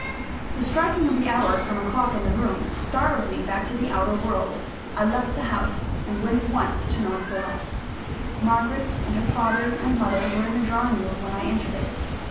The striking of the hour from a clock in the room, startled me back to the outer world. I left the house and went at once to North Villa. Margaret and her father and mother were in the drawing room when I entered it.